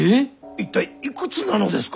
一体いくつなのですか？